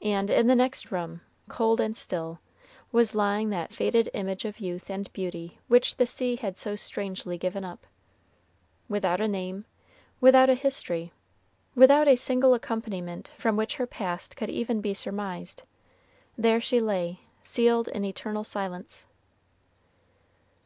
And in the next room, cold and still, was lying that faded image of youth and beauty which the sea had so strangely given up. Without a name, without a history, without a single accompaniment from which her past could even be surmised, there she lay, sealed in eternal silence.